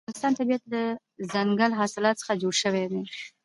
د افغانستان طبیعت له دځنګل حاصلات څخه جوړ شوی دی.